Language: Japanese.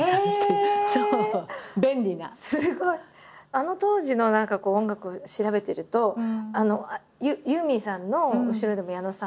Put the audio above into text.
あの当時の何か音楽を調べてるとユーミンさんの後ろでも矢野さん。